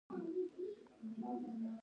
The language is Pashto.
د سیاسي مشارکت حق وي.